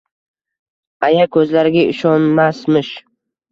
aya ko‘zlariga ishonmasmish.